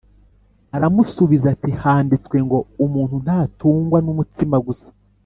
’ Aramusubiza ati ‘Handitswe ngo Umuntu ntatungwa n’umutsima gusa